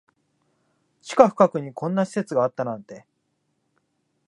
地下深くにこんな施設があったなんて